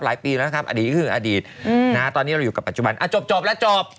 ปีแล้วนะครับอดีตก็คืออดีตตอนนี้เราอยู่กับปัจจุบันจบแล้วจบ